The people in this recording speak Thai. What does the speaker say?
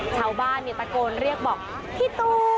ชาวบ้านตะโกนเรียกบอกพี่ตู